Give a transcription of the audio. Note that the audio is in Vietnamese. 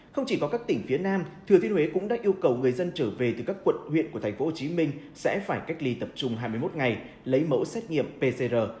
không chỉ có các tỉnh phía nam thừa thiên huế cũng đã yêu cầu người dân trở về từ các quận huyện của tp hcm sẽ phải cách ly tập trung hai mươi một ngày lấy mẫu xét nghiệm pcr